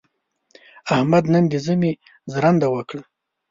احمد نن د ژمي ژرنده وکړه.